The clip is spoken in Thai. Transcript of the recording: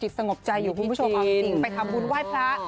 ที่สงบใจอยู่ได้ของมีชนะติดไปขับมือไว้พระ